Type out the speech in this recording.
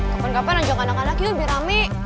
kapan kapan ajak anak anak yuk biar rame